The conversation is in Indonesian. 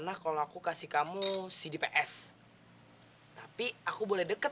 dekat sama kamu tapi aku kasih kamu cd ps tapi aku boleh dekat sama kamu tapi aku boleh dekat